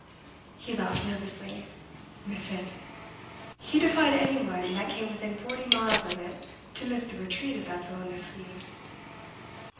He laughed nervously. Miss it! He defied anyone that came within forty miles of it to miss the retreat of that villainous Swede.